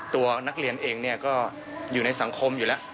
ตัวนักเรียนเองก็อยู่ในสังคมอยู่แล้ว